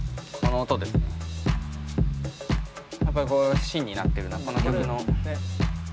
やっぱりこう芯になってるのはこの曲の。